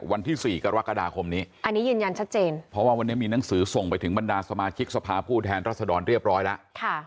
วันที่๔กรกฎาคมนี้อันนี้ยืนยันชัดเจนเพราะว่าวันนี้มีหนังสือส่งไปถึงบรรดาสมาชิกสภาผู้แทนรัศดรเรียบร้อยแล้ว